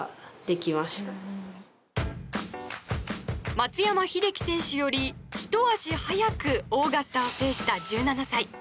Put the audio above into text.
松山英樹選手よりもひと足早くオーガスタを制した１７歳。